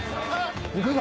行くぞ！